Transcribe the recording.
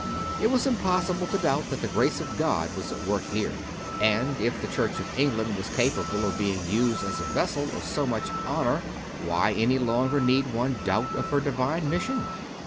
It was impossible to doubt that the grace of God was at work here; and if the Church of England was capable of being used as a vessel of so much honour, CONFESSIONS OF A CONVERT 69 why any longer need one doubt of her divine mis sion?